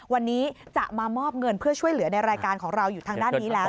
วันนี้จะมามอบเงินเพื่อช่วยเหลือในรายการของเราอยู่ทางด้านนี้แล้ว